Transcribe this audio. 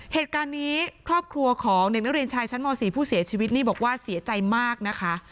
เหตุการณ์นี้ครอบครัวของเด็กนักเรียนชายชั้นม๔ผู้เสียชีวิตนี่บอกว่าเสียใจมากนะคะ